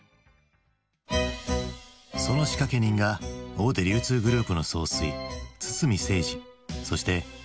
その仕掛け人が大手流通グループの総帥堤清二そして増田通二だった。